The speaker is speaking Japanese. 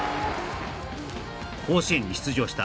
甲子園に出場した